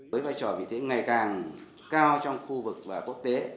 với vai trò vị thế ngày càng cao trong khu vực và quốc tế